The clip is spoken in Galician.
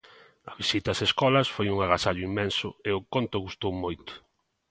A visita ás escolas foi un agasallo inmenso e o conto gostou moito.